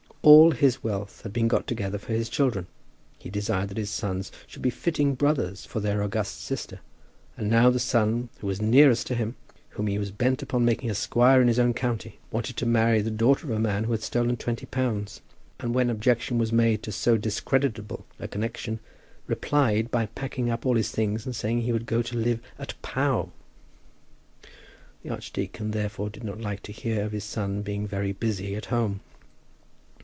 All his wealth had been got together for his children. He desired that his sons should be fitting brothers for their August sister. And now the son who was nearest to him, whom he was bent upon making a squire in his own county, wanted to marry the daughter of a man who had stolen twenty pounds, and when objection was made to so discreditable a connexion, replied by packing up all his things and saying that he would go and live at Pau! The archdeacon therefore did not like to hear of his son being very busy at home.